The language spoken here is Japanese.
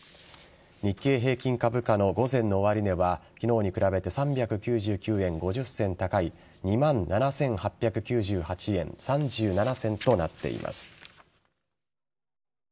日経平均株価の午前の終値は昨日に比べて３９９円５０銭高い２万７８９８円３７銭となっています。